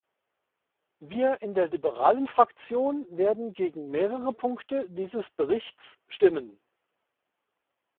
Wir in der Liberalen Fraktion werden gegen mehrere Punkte dieses Berichts stimmen.